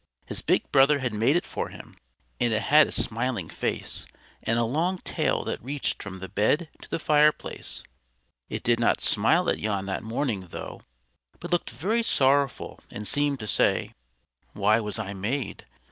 His big brother had made it for him; and it had a smiling face, and a long tail that reached from the bed to the fireplace. It did not smile at Jan that morning though, but looked very sorrowful and seemed to say "Why was I made?